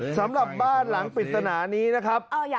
สำหรับบ้านหลังปริศนานี้นะครับ